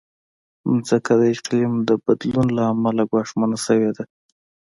مځکه د اقلیم د بدلون له امله ګواښمنه شوې ده.